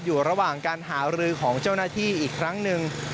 อยู่ระหว่างการหารือของเจ้าหน้าที่อีกครั้งหนึ่ง